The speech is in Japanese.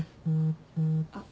あっ。